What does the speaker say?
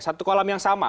satu kolam yang sama